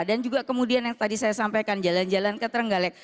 dan juga kemudian yang tadi saya sampaikan jalan jalan ke terenggalek